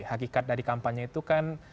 hakikat dari kampanye itu kan